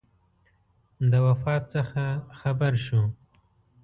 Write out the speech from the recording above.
د وفات څخه خبر شو.